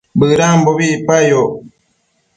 bëdambobi icpayoc